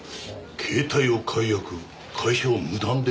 携帯を解約会社を無断で？